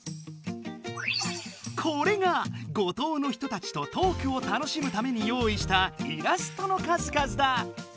これが五島の人たちとトークを楽しむために用意したイラストの数々だ！